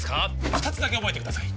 二つだけ覚えてください